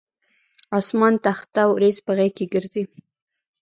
اسمان تخته اوریځ په غیږ ګرځي